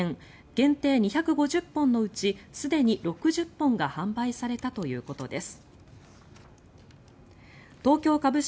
限定２５０本のうちすでに６０本が販売されたということです。